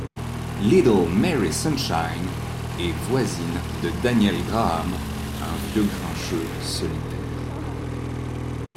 Little Mary Sunshine est voisine de Daniel Graham, un vieux grincheux solitaire.